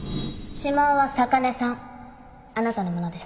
指紋は坂根さんあなたのものです